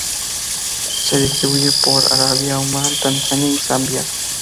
Se distribuye por Arabia, Omán, Tanzania y Zambia.